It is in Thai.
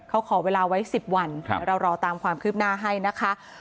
เขาขอเวลาไว้๑๐วันเรารอตามความคืบหน้าให้นะคะ